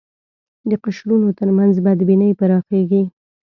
د قشرونو تر منځ بدبینۍ پراخېږي